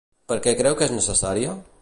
Per què creu que és necessària?